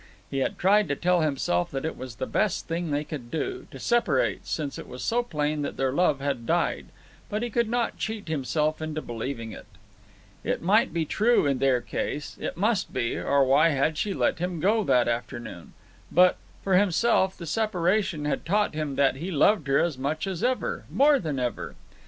He had tried to tell himself that it was the best thing they could do, to separate, since it was so plain that their love had died; but he could not cheat himself into believing it. It might be true in her case—it must be, or why had she let him go that afternoon?—but, for himself, the separation had taught him that he loved her as much as ever, more than ever.